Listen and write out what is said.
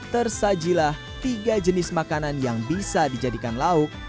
tersajilah tiga jenis makanan yang bisa dijadikan lauk